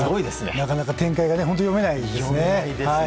なかなか展開が読めないですね。